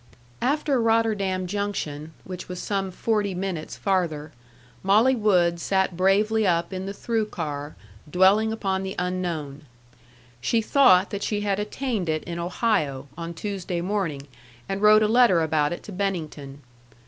After Rotterdam Junction, which was some forty minutes farther, Molly Wood sat bravely up in the through car, dwelling upon the unknown. She thought that she had attained it in Ohio, on Tuesday morning, and wrote a letter about it to Bennington.